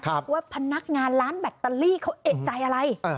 ว่าพนักงานร้านแบตเตอรี่เขาเอกใจอะไร